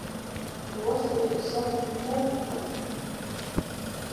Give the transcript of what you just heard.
Klosterī es satiku mūku taču.